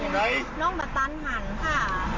คือน้องมาตันหันค่ะ